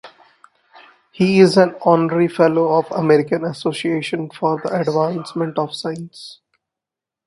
He is an Honorary Fellow of the American Association for the Advancement of Science.